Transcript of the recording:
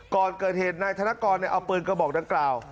ก่อนเกิดเหตุนายธนกรเอาปืนกระบอกดังกล่าว